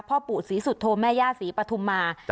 พ่อปู่ศรีสุโธแม่ย่าศรีปฐุมา